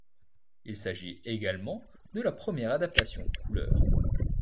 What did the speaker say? Il s'agit également de la première adaptation couleur.